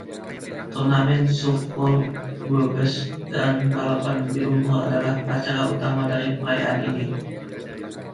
Turnamen sofbol, bull bash, dan balapan di lumpur adalah acara utama dari perayaan ini.